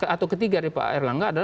atau ketiga dari pak erlangga adalah